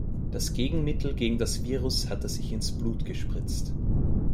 Das Gegenmittel gegen das Virus hat er sich ins Blut gespritzt.